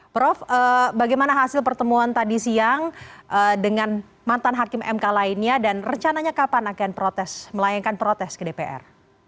prof bagaimana hasil pertemuan tadi siang dengan mantan hakim mk lainnya dan rencananya kapan akan protes melayangkan protes ke dpr